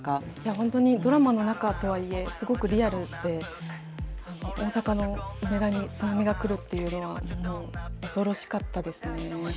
本当にドラマの中とはいえ、すごくリアルで、大阪の梅田に津波が来るっていうのは、恐ろしかったですね。